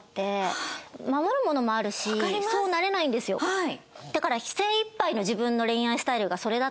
はい！